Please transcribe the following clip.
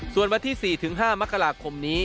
ส่วนวันที่๔๕มกราคมนี้